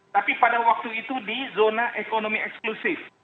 tapi pada waktu itu di zona ekonomi eksklusif